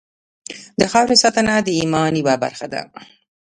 د خاورې ساتنه د ایمان یوه برخه ده.